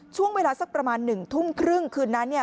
ช่วงเวลาสักประมาณหนึ่งทุ่มครึ่งคืนนั้นเนี่ย